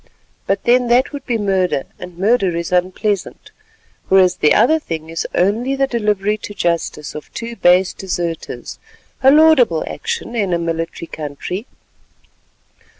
But then that would be murder and murder is unpleasant; whereas the other thing is only the delivery to justice of two base deserters, a laudable action in a military country.